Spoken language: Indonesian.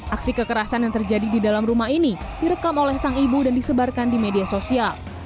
aksi kekerasan yang terjadi di dalam rumah ini direkam oleh sang ibu dan disebarkan di media sosial